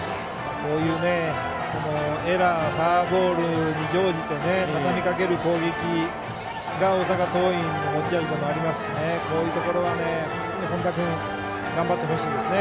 こういうエラーフォアボールに乗じてたたみかける攻撃大阪桐蔭の持ち味でもありますしこういうところは本田君、頑張ってほしいです。